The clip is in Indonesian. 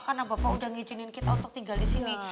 karena bapak udah ngijinin kita untuk tinggal di sini